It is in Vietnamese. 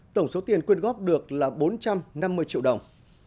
tổng số tiền quyên góp được là bốn trăm năm mươi triệu đồng